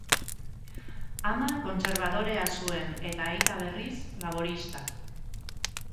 Ama kontserbadorea zuen eta aita, berriz, laborista.